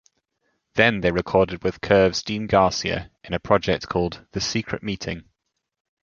Then they recorded with Curve's Dean Garcia in a project called "The Secret Meeting".